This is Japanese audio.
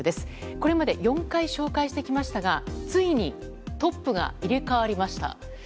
これまで４回紹介してきましたがついにトップが入れ替わりました。